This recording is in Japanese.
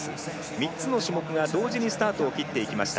３つの種目が同時にスタートを切っていきました。